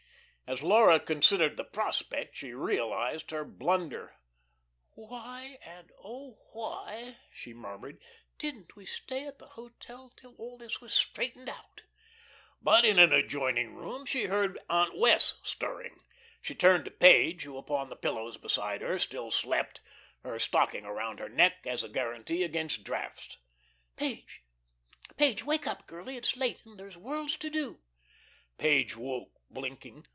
As Laura considered the prospect she realised her blunder. "Why, and oh, why," she murmured, "didn't we stay at the hotel till all this was straightened out?" But in an adjoining room she heard Aunt Wess' stirring. She turned to Page, who upon the pillows beside her still slept, her stocking around her neck as a guarantee against draughts. "Page, Page! Wake up, girlie. It's late, and there's worlds to do." Page woke blinking.